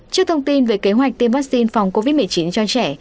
trước thông tin về kế hoạch tiêm vaccine phòng covid một mươi chín cho trẻ